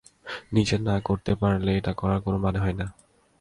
নিজে না করতে পারলে এটা করার কোনো মানে হয় না।